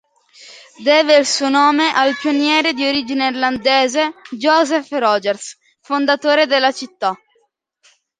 Deve il suo nome al pioniere di origine irlandese Joseph Rogers, fondatore della città.